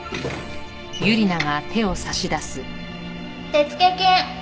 手付金。